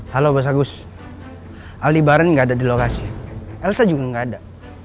halo bos agus ali baran gak ada di lokasi elsa juga gak ada